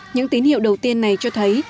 những tín hiệu đầu tiên này cho thấy